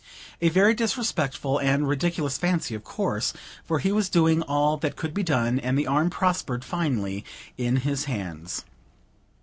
A very disrespectful and ridiculous fancy, of course; for he was doing all that could be done, and the arm prospered finely in his hands.